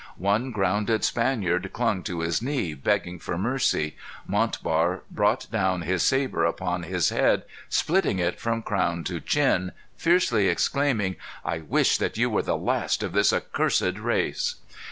One grounded Spaniard clung to his knee begging for mercy. Montbar brought down his sabre upon his head, splitting it from crown to chin, fiercely exclaiming, "I wish that you were the last of this accursed race."